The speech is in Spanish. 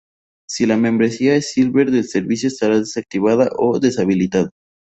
Si la membresía es Silver el servicio estará desactivado o deshabilitado.